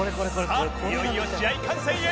さあいよいよ試合観戦へ！